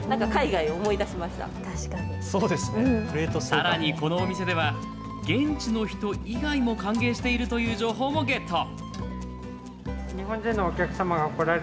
さらに、このお店では現地の人以外も歓迎しているという情報もゲット。